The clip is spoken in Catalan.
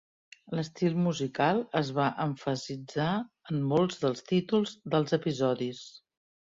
L'estil musical es va emfasitzar en molts dels títols dels episodis.